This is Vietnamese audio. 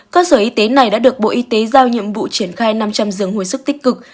cơ sở y tế này đã được bộ y tế giao nhiệm vụ triển khai năm trăm linh giường hồi sức tích cực